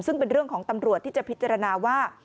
ซึ่งเป็นเรื่องของตำรวจที่จะพิจารณาว่า